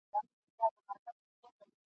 ارغوان هغسي ښکلی په خپل رنګ زړو ته منلی !.